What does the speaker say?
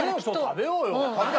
食べようよ。